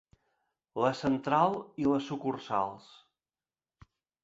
La central i les sucursals.